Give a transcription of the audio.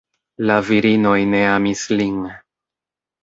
La virinoj ne amis lin.